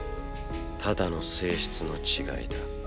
ただの性質の違いだ。